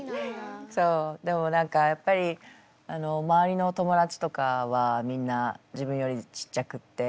そうでも何かやっぱり周りのお友達とかはみんな自分よりちっちゃくって。